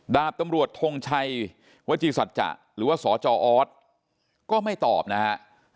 ดาบตำรวจทงชัยวจีสัจจะหรือว่าสจออสก็ไม่ตอบนะฮะ